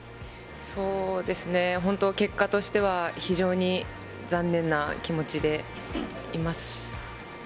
そうですね、本当、結果としては非常に残念な気持ちでいます。